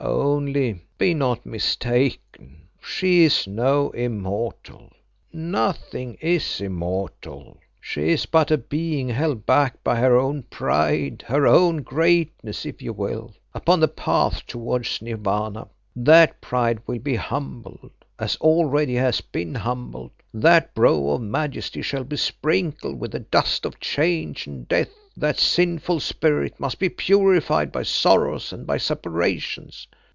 "Only be not mistaken, she is no immortal; nothing is immortal. She is but a being held back by her own pride, her own greatness if you will, upon the path towards Nirvana. That pride will be humbled, as already it has been humbled; that brow of majesty shall be sprinkled with the dust of change and death, that sinful spirit must be purified by sorrows and by separations.